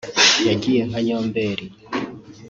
Yagiye nka Nyombeli